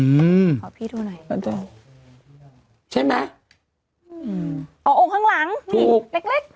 ขอพี่ดูหน่อยใช่ไหมอืมอ๋อข้างหลังนี่เล็กเล็ก